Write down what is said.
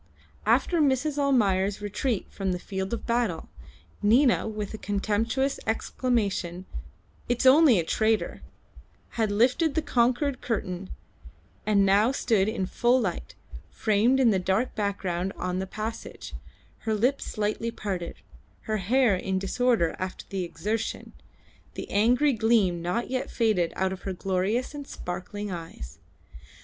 After Mrs. Almayer's retreat from the field of battle, Nina, with a contemptuous exclamation, "It's only a trader," had lifted the conquered curtain and now stood in full light, framed in the dark background on the passage, her lips slightly parted, her hair in disorder after the exertion, the angry gleam not yet faded out of her glorious and sparkling eyes.